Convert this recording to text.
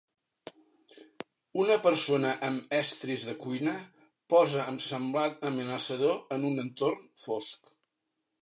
Una persona amb estris de cuina posa amb semblant amenaçador en un entorn fosc.